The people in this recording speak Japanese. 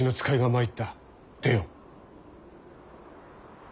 出よ。